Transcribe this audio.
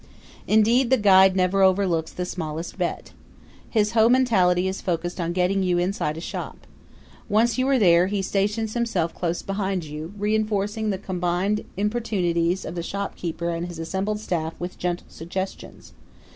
Indeed, the guide never overlooks the smallest bet. His whole mentality is focused on getting you inside a shop. Once you are there, he stations himself close behind you, reenforcing the combined importunities of the shopkeeper and his assembled staff with gentle suggestions.